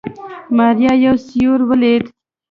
ماريا يو سيوری وليد.